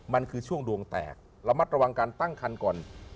มันคือช่วงดวงแตกระมัดระวังการตั้งคันก่อน